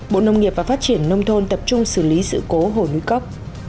bộ nông nghiệp và phát triển nông thôn tập trung xử lý sự cố hồ núi cốc